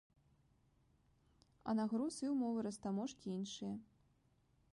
А на груз і ўмовы растаможкі іншыя!